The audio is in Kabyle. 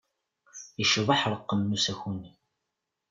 Icbeḥ ṛṛqem n usaku-nni.